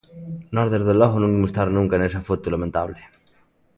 Nós, dende logo, non imos estar nunca nesa foto lamentable.